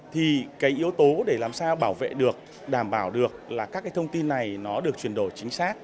thì yếu tố để làm sao bảo vệ được đảm bảo được là các thông tin này được truyền đổi chính xác